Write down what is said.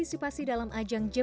capek gak jalannya kan jauh